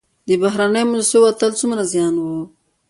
د بهرنیو موسسو وتل څومره زیان و؟